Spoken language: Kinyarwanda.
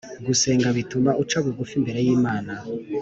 gusenga bituma uca bugufi imbere y'imana